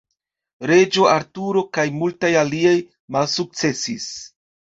Reĝo Arturo kaj multaj aliaj malsukcesis.